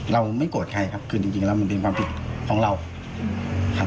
เราไม่โกรธใครครับคือจริงแล้วมันเป็นความผิดของเราครับ